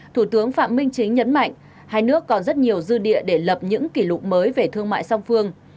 thủ tướng phạm minh chính nhấn mạnh hai nước còn rất nhiều dư địa để lập những kỷ lục mới về thương mại song phương